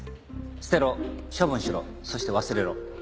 「捨てろ」「処分しろ」そして「忘れろ」。